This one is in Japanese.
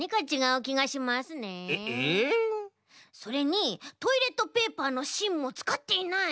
それにトイレットペーパーのしんもつかっていない！